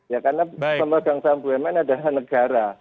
ya karena pemegang saham bumn adalah negara